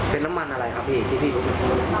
เป็นน้ำมันอะไรครับพี่ที่พี่ดู